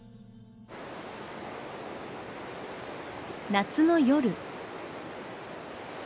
夏の夜。